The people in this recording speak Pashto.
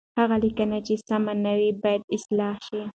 هغه لیکنه چې سم نه وي، باید اصلاح شي.